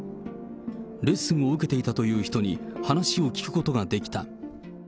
レッスンを受けていたという人に話を聞くことができた。